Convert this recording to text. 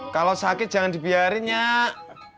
kalau sakit jangan dibiarin nyak